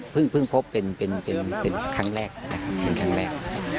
เพิ่งพบเป็นครั้งแรกนะครับ